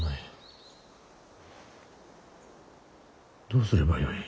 どうすればよい。